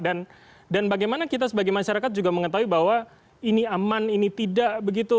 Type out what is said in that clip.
bagaimana kita sebagai masyarakat juga mengetahui bahwa ini aman ini tidak begitu